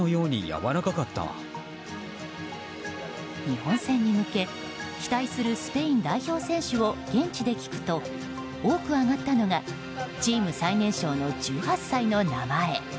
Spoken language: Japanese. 日本戦に向け期待するスペイン代表選手を現地で聞くと、多く挙がったのがチーム最年少の１８歳の名前。